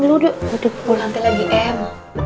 udah ulang ke lagi em